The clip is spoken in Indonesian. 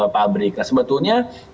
pabrik nah sebetulnya